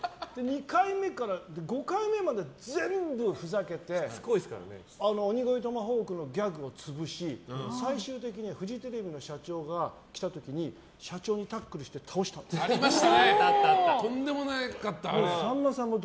２回目から５回目まで全部ふざけて鬼越トマホークのギャグを潰し最終的にフジテレビの社長が来た時にとんでもなかった。